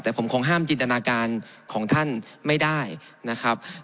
แต่ผมคงห้ามจินตนาการของท่านไม่ได้นะครับ